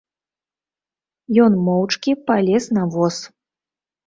Ён моўчкі палез на воз.